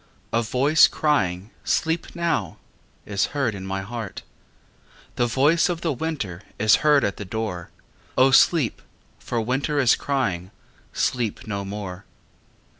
A voice crying "Sleep now" Is heard in my heart. The voice of the winter Is heard at the door. O sleep, for the winter Is crying "Sleep no more."